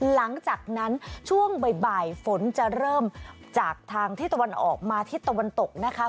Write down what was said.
หลังจากนั้นช่วงบ่ายฝนจะเริ่มจากทางที่ตะวันออกมาทิศตะวันตกนะคะ